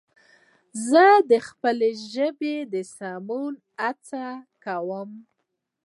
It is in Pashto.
زه د خپلې ژبې د سمون هڅه کوم